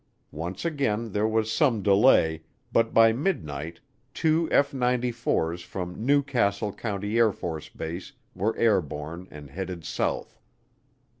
Once again there was some delay, but by midnight two F 94's from New Castle County AFB were airborne and headed south.